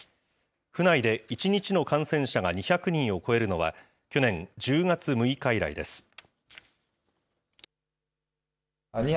府内で１日の感染者が２００人を超えるのは、去年１０月６日以来です。